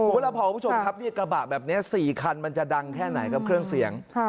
พระเผาคุณผู้ชมครับกระบะแบบนี้๔คันมันจะดังแค่ไหนกับเครื่องเสียง